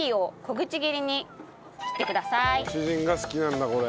ご主人が好きなんだこれ。